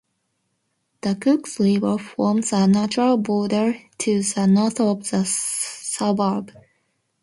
The Cooks River forms a natural border, to the north of the suburb.